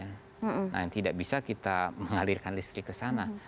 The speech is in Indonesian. nah tidak bisa kita mengalirkan listrik ke sana